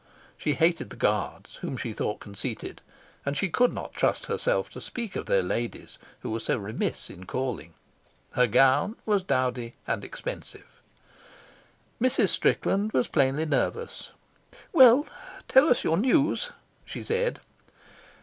She hated the Guards, whom she thought conceited, and she could not trust herself to speak of their ladies, who were so remiss in calling. Her gown was dowdy and expensive. Mrs. Strickland was plainly nervous. "Well, tell us your news," she said.